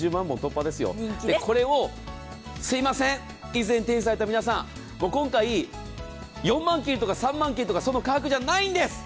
これをすいません、以前手にされた皆さん、今回、４万切るとか３万切るとかそんな価格じゃないんです。